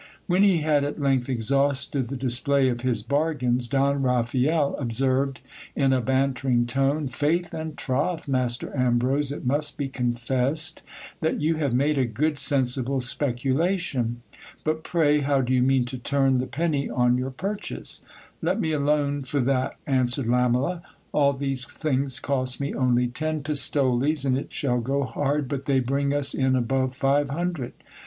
When he had at length exhausted the display of his bargains, Don Raphael observed in a bantering tone — Faith and troth, Master Ambrose, it must be confessed that you have made a good sensible speculation. But pray, how do you mean to turn the penny on your purchase ? Let me alone for that, answered Lamela. All these things cost me only ten pistoles, and it shall go hard but they bring us in above five hundred.